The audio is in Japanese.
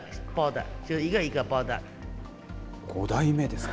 ５代目ですか。